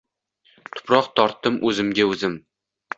Tuproq tortdim oʻzimga oʻzim.